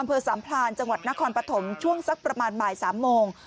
อำเภอสามพลานจังหวัดนครปฐมช่วงสักประมาณบ่าย๓โมง